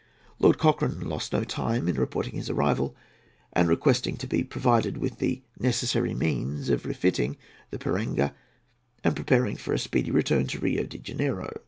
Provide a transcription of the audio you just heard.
Lord Cochrane lost no time in reporting his arrival and requesting to be provided with the necessary means for refitting the Piranga and preparing for a speedy return to Rio de Janeiro.